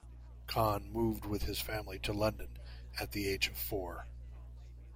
Khan moved with his family to London, at the age of four.